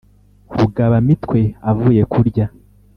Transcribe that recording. rugaba-mitwe avuye kurya,